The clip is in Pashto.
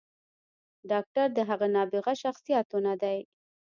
“ډاکتر د هغه نابغه شخصياتو نه دے